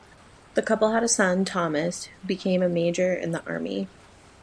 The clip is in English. The couple had a son, Thomas, who became a major in the army.